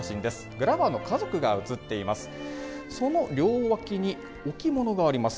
グラバーの家族が写っています。